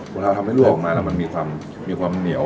คุณทราบทำให้รอออกมาแล้วมันมีความเหนียว